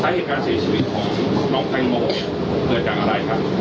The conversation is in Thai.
สักเหตุการณ์เสียชีวิตของลองแท้งโมเผริญกับอะไรครับ